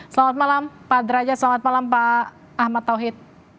selamat malam pak derajat selamat malam pak ahmad tauhid